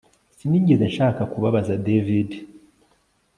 Sinigeze nshaka kubabaza David